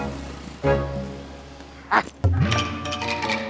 aku lapar belum sarapan